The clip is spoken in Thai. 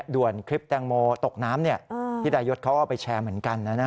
ด่วนคลิปแตงโมตกน้ำพี่ดายศเขาเอาไปแชร์เหมือนกัน